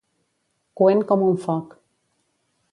Coent com un foc.